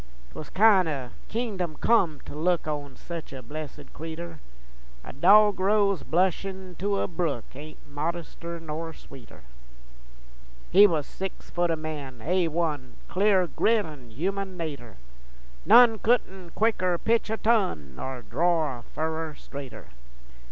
'Twas kin' o' kingdom come to look On sech a blessed cretur, A dogrose blushin' to a brook Ain't modester nor sweeter. He was six foot o' man, A 1, Clear grit an' human natur', None couldn't quicker pitch a ton Nor dror a furrer straighter.